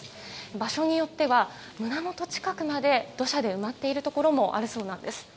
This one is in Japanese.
場所によっては胸元近くまで土砂で埋まっているところもあるそうなんです。